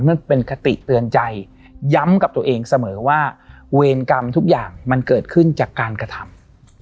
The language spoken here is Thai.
มันเป็นคติเตือนใจย้ำกับตัวเองเสมอว่าเวรกรรมทุกอย่างมันเกิดขึ้นจากการกระทำ